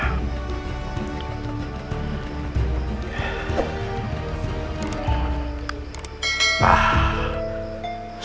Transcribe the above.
aku harus bagaimana ya